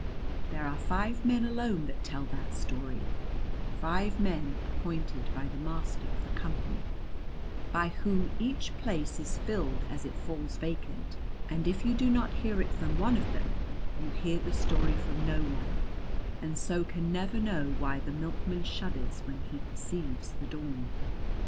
There are five men alone that tell that story, five men appointed by the Master of the Company, by whom each place is filled as it falls vacant, and if you do not hear it from one of them you hear the story from no one and so can never know why the milkman shudders when he perceives the dawn.